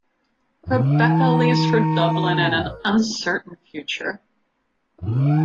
Rebecca leaves for Dublin and an uncertain future.